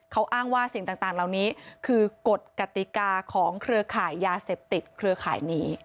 เขาอ้างว่าสิ่งต่างเหล่านี้คือกฎกติกาของเครือข่ายยาเสพติดเครือข่ายนี้